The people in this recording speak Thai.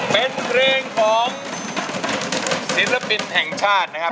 เป็นเพลงของศิลปินแห่งชาตินะครับ